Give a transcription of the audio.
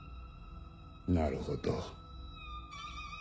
なるほど。